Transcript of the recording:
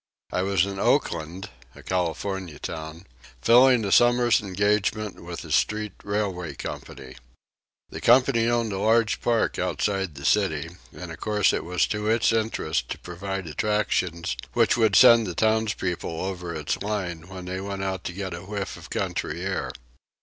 I was in Oakland, a California town, filling a summer's engagement with a street railway company. The company owned a large park outside the city, and of course it was to its interest to provide attractions which would send the townspeople over its line when they went out to get a whiff of country air.